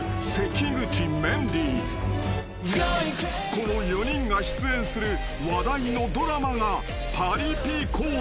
［この４人が出演する話題のドラマが］